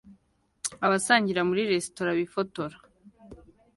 Abasangira muri resitora bifotora